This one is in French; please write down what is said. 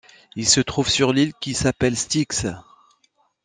Il se trouve sur l'île qui s'appelle Styx.